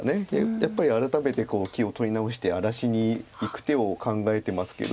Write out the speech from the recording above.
やっぱり改めて気を取り直して荒らしにいく手を考えてますけど。